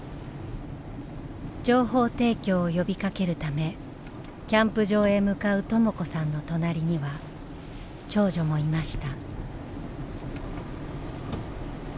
情報提供を呼びかけるためキャンプ場へ向かうとも子さんの隣には長女もいました。